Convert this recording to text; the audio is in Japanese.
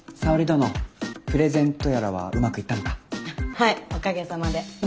はいおかげさまで。